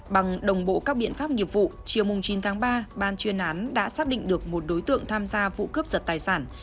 bằng đồng bộ các biện pháp nghiệp vụ chiều chín tháng ba ban chuyên án đã xác định được một đối tượng tham gia vụ cướp giật tài sản